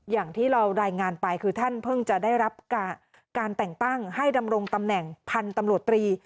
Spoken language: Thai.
อย่างที่เรารายงานไปคือท่านเพิ่งจะได้รับการแต่งตั้งให้ดำรงตำแหน่งพันธุ์ตำรวจตรี